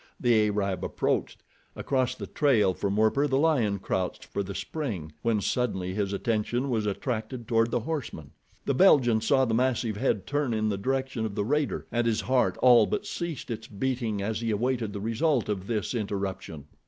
The Arab approached. Across the trail from Werper the lion crouched for the spring, when suddenly his attention was attracted toward the horseman. The Belgian saw the massive head turn in the direction of the raider and his heart all but ceased its beating as he awaited the result of this interruption.